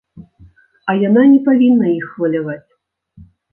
А яна не павінна іх хваляваць.